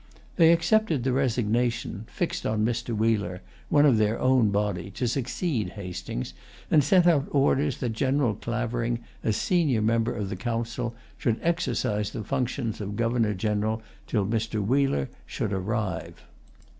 They accepted the resignation, fixed on Mr. Wheler, one of their own body, to succeed Hastings, and sent out orders that General Clavering, as senior member of Council, should exercise the functions of Governor General till Mr. Wheler should arrive.